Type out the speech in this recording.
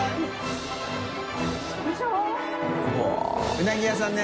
うなぎ屋さんね。